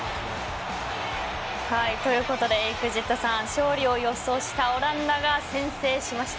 ということでＥＸＩＴさん勝利を予想したオランダが先制しました。